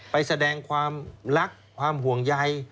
ไปแสดงความรักความห่วงใย